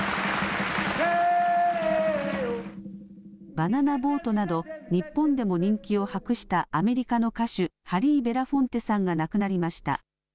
バナナ・ボートなど日本でも人気を博したアメリカの歌手、ハリー・ベラフォンテさんが亡くなりました。